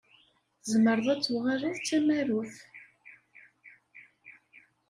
Tzemreḍ ad tuɣaleḍ d tamarut.